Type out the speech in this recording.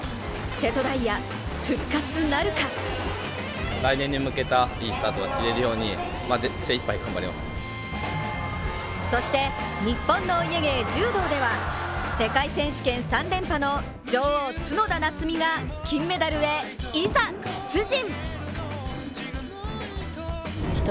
瀬戸大也、復活なるかそして日本のお家芸・柔道では世界選手権３連覇の女王角田夏実が金メダルへいざ出陣！